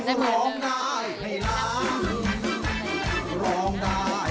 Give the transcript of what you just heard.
ร้องใครไหลตาม